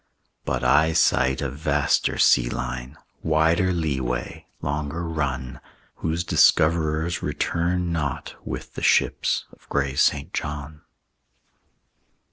But I sight a vaster sea line, Wider lee way, longer run, Whose discoverers return not With the ships of gray St. John.